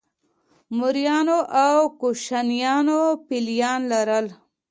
موریانو او کوشانیانو فیلان لرل